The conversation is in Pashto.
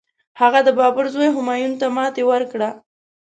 هغه د بابر زوی همایون ته ماتي ورکړه.